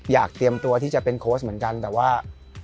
อยากเตรียมตัวที่จะเป็นโค้ชเหมือนกันแต่ว่า